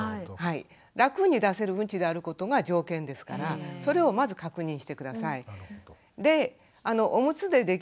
楽に出せるうんちであることが条件ですからそれをまず確認して下さい。